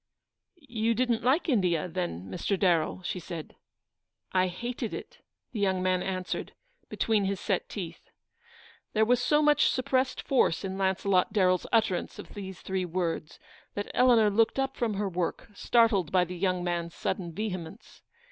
"You didn't like India, then, Mr. Darrell?" she said. " I hated it," the young man answered, between his set teeth. There was so much suppressed force in Launce lot Darren's utterance of these three words, that Eleanor looked up from her work, startled by the young man's sudden vehemence.